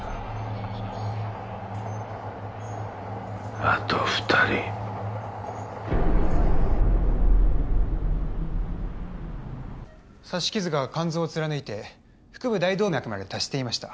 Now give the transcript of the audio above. あと二人刺し傷が肝臓を貫いて腹部大動脈まで達していました